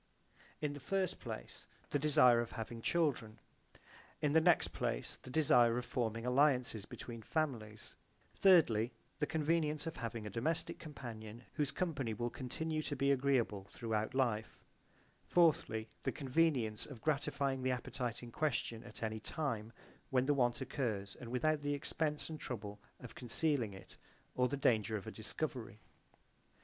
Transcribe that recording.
In the first place, the desire of having children, in the next place the desire of forming alliances between families, thirdly the convenience of having a domestic companion whose company will continue to be I agreeable throughout life, fourthly the convenience of gratifying the appetite in question at any time when the want occurs and without the expense and trouble of concealing it or the danger of a discovery.